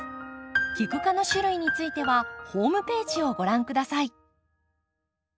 キク科の種類についてはホームページをご覧下さい。